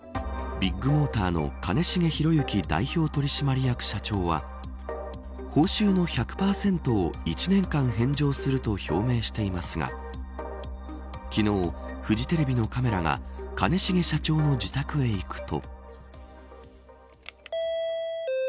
ビッグモーターの兼重宏行代表取締役社長は報酬の１００％を１年間返上すると表明していますが昨日、フジテレビのカメラが兼重社長の住宅へ行くと。